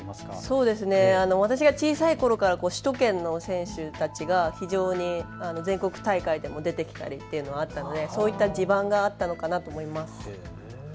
私が小さいころから首都圏の選手たちが非常に全国大会でも出てきたりとということがあったのでそういった地盤があったのかなと思います。